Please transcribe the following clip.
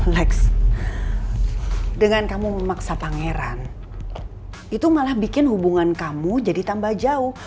next dengan kamu memaksa pangeran itu malah bikin hubungan kamu jadi tambah jauh